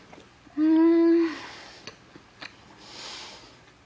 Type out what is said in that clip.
うん！